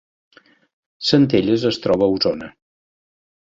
Centelles es troba a Osona